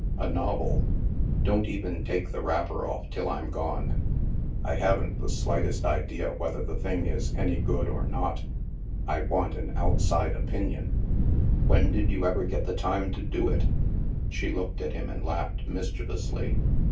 A novel. Don't even take the wrapper off till I'm gone. I haven't the slightest idea whether the thing is any good or not. I want an outside opinion/' 2y2 THE MASK " When did you ever get the time to do it? " She looked at him and laughed mischievously.